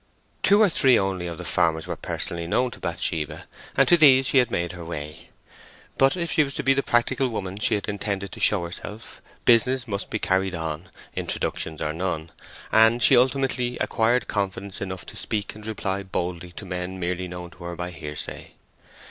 Two or three only of the farmers were personally known to Bathsheba, and to these she had made her way. But if she was to be the practical woman she had intended to show herself, business must be carried on, introductions or none, and she ultimately acquired confidence enough to speak and reply boldly to men merely known to her by hearsay.